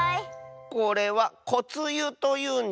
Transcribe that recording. これは「こつゆ」というんじゃ。